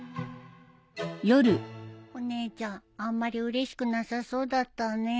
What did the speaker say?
お姉ちゃんあんまりうれしくなさそうだったね。